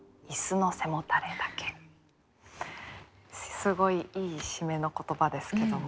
すごいいい締めの言葉ですけども。